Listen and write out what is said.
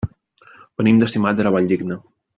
Venim de Simat de la Valldigna.